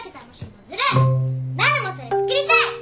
なるもそれ作りたい！